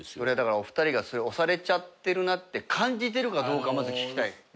それはだからお二人が押されちゃってるなって感じてるかどうかまず聞きたい。